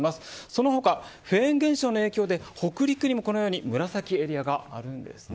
その他、フェーン現象の影響で北陸にも紫エリアがあるんです。